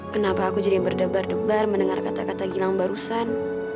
kenapa aku jadi berdebar debar mendengar kata kata gilang barusan